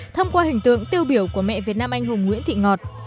thông qua hình tượng tiêu biểu của mẹ việt nam anh hùng nguyễn thị ngọt